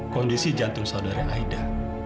kondisi jantung saudara aida